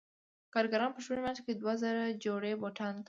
کارګران په شپږو میاشتو کې دوه زره جوړې بوټان تولیدوي